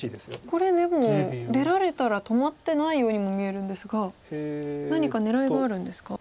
これでも出られたら止まってないようにも見えるんですが何か狙いがあるんですか？